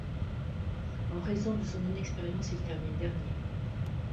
En raison de son inexpérience, il termine dernier.